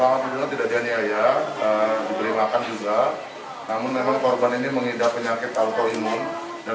mereka mencari jaminan agar ayah korban segera membayar utang sebesar delapan puluh juta rupiah